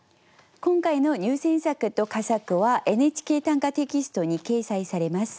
今回の入選作と佳作は「ＮＨＫ短歌」テキストに掲載されます。